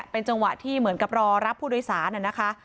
เป็นจังหวะที่เหมือนกับรอรับผู้โดยสารนะคะ